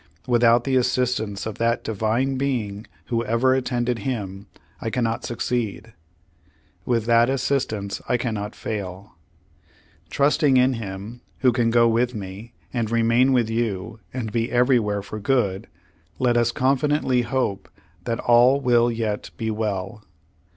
Without the assistance of that Divine Being who ever attended him, I cannot succeed. With that assistance, I cannot fail. "Trusting in Him, who can go with me, and remain with you, and be everywhere for good, let us confidently hope that all will yet be well.